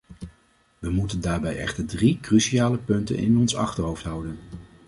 We moeten daarbij echter drie cruciale punten in ons achterhoofd houden.